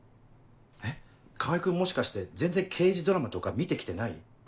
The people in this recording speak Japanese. えっ川合君もしかして全然刑事ドラマとか見て来てない？